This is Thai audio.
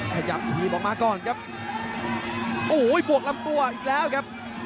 ขยับถีบออกมาก่อนครับโอ้โหบวกลำตัวอีกแล้วครับ